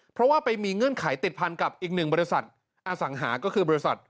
เพราะว่าไปมีเงื่อนไขติดพันกับอีกหนึ่งบริษัทอสังหาก็คือบริษัท